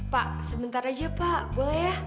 pak sebentar aja pak boleh